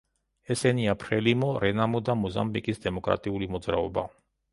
ესენია: ფრელიმო, რენამო და მოზამბიკის დემოკრატიული მოძრაობა.